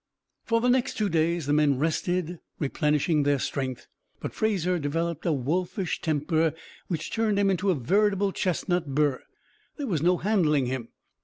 For the next two days the men rested, replenishing their strength; but Fraser developed a wolfish temper which turned him into a veritable chestnut burr. There was no handling him.